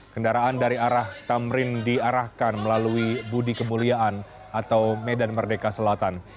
kendaraan dari arah tamrin diarahkan melalui budi kemuliaan atau medan merdeka selatan